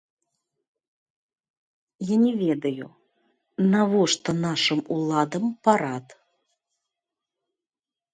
Я не ведаю, навошта нашым уладам парад.